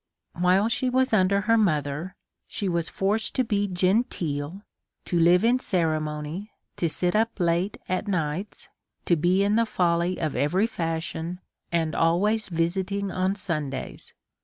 Whilst she was under her mother, she was forced to be genteel, to live in ceremony, to sit iip late at. nights, to be in the folly of every fashion, and always visiting on Sundays.